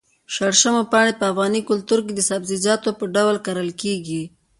شړشمو پاڼې په افغاني کلتور کې د سبزيجاتو په ډول کرل کېږي.